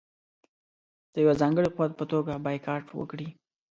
د یوه ځانګړي قوت په توګه بایکاټ وکړي.